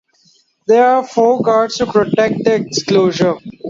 There are four guards to protect the exclosure.